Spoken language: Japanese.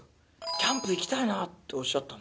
キャンプ行きたいなっておっしゃった。